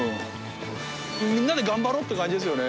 みんなで頑張ろうって感じですよね。